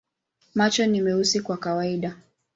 Macho ni meusi kwa kawaida.